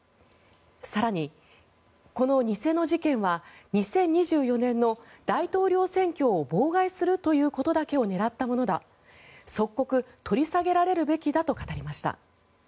更に、この偽の事件は２０２４年の大統領選挙を妨害するということだけを狙ったものだ即刻取り下げられるべきだと語りました。